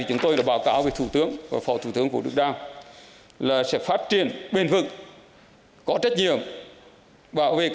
chúng tôi cũng thấy thấm phía vài học này